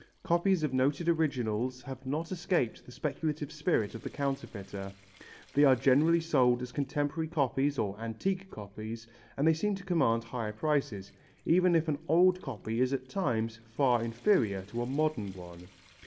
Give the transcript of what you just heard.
Copies of noted originals have not escaped the speculative spirit of the counterfeiter. They are generally sold as contemporary copies or antique copies, and they seem to command higher prices, even if an old copy is at times far inferior to a modern one.